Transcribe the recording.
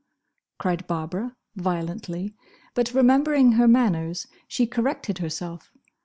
cried Barbara, violently, but remembering her manners she corrected herself.